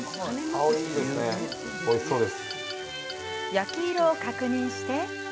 焼き色を確認して。